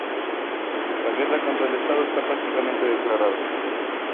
La guerra contra el Estado está prácticamente declarada.